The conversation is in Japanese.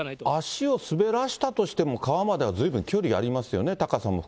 足を滑らしたとしても、川まではずいぶん距離がありますよね。